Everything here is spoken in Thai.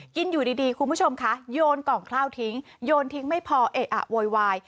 กินอยู่ดีคุณผู้ชมคะโยนกล่องข้าวทิ้งโยนทิ้งไม่พอเอะอะโวยวาย